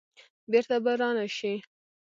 بیرته به را نه شي.